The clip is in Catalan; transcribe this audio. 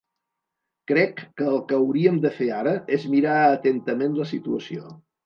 Crec que el que hauríem de fer ara és mirar atentament la situació.